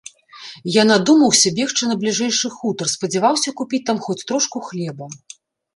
Я надумаўся бегчы на бліжэйшы хутар, спадзяваўся купіць там хоць трошку хлеба.